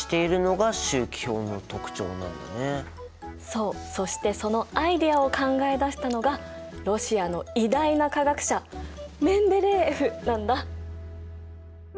そうそしてそのアイデアを考え出したのがロシアの偉大な化学者メンデレーエフなんだ。